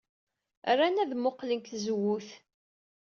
Ran ad mmuqqlen seg tzewwut.